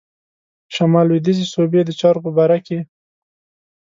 شمال لوېدیځي صوبې د چارو په باره کې.